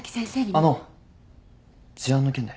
あの事案の件で。